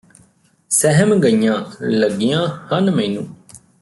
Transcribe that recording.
ਸਹਿਮ ਗਈਆਂ ਲੱਗੀਆਂ ਹਨ ਮੈਨੂੰ